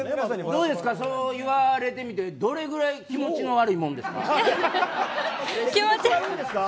どうですか、言われてみてどれくらい気持ちの悪いもんですか。